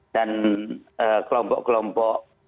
dan kelompok kelompok yang berpengaruh